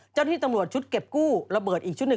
เจ้าหน้าที่ตำรวจชุดเก็บกู้ระเบิดอีกชุดหนึ่ง